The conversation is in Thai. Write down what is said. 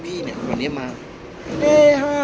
พี่อัดมาสองวันไม่มีใครรู้หรอก